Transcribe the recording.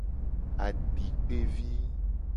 Adikpevi.